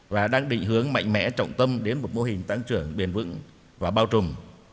và đang định hướng mạnh mẽ trọng tâm đến một mô hình tăng trưởng bền vững và bao trùm